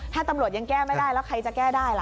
ถ้าตำรวจยังแก้ไม่ได้แล้วใครจะแก้ได้ล่ะ